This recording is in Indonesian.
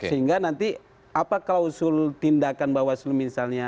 sehingga nanti apa klausul tindakan bawaslu misalnya